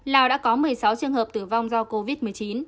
lào đã có một mươi sáu trường hợp tử vong do covid một mươi chín